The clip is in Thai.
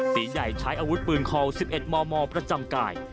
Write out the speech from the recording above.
ตีใหญ่ใช้อาวุธปืนคอ๑๑มมประจำกาย